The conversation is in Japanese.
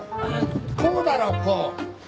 こうだろこう。